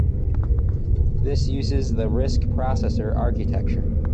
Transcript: This uses the Risc processor architecture.